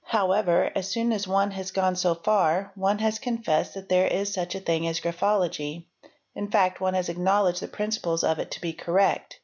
However, as soon as one has gone so far, one he HANDWRITING 231 confessed that there is such a thing as graphology, in fact one has acknowledged the principles of it to be correct.